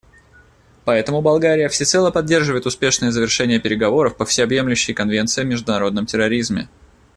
Поэтому Болгария всецело поддерживает успешное завершение переговоров по всеобъемлющей конвенции о международном терроризме.